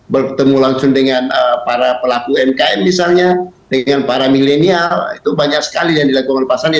bertemu langsung dengan para pelaku umkm misalnya dengan para milenial itu banyak sekali yang dilakukan oleh pak sandi